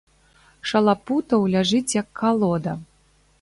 Шалапутаў ляжыць, як калода.